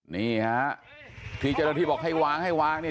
นี่ครับพี่เจรธิบอกว่าให้วางเอิ้ย